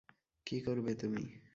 কী করবে তুমি।